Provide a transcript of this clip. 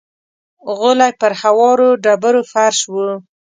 غولی پر هوارو ډبرو فرش و.